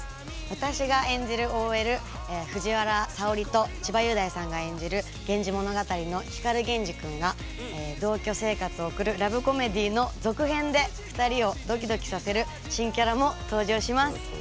私が演じるＯＬ藤原沙織と千葉雄大さんが演じる「源氏物語」の光源氏くんが同居生活を送るラブコメディーの続編で２人をドキドキさせる新キャラも登場します。